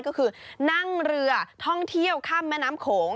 ก็คือนั่งเรือท่องเที่ยวข้ามแม่น้ำโขง